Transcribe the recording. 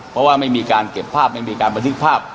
เพราะว่าไม่มีการเก็บภาพไม่มีการบันทึกภาพ